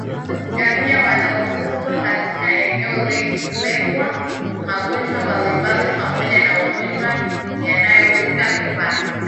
ngamia wanaofugwa katika eneo lengwa magonjwa mbalimbali pamoja na magonjwa yanayovuka mipaka